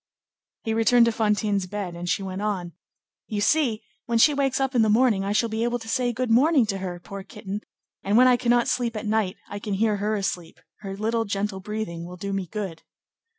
He returned to Fantine's bed, and she went on:— "You see, when she wakes up in the morning, I shall be able to say good morning to her, poor kitten, and when I cannot sleep at night, I can hear her asleep; her little gentle breathing will do me good."